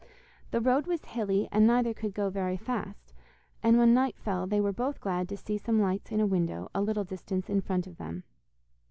The road was hilly and neither could go very fast, and when night fell, they were both glad to see some lights in a window a little distance in front of them.